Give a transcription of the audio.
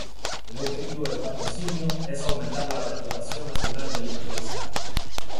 El objetivo del patrocinio es aumentar la reputación nacional de la empresa.